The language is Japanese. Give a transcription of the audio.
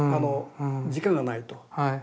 時間がないと。